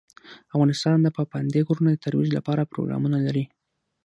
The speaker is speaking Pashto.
افغانستان د پابندی غرونه د ترویج لپاره پروګرامونه لري.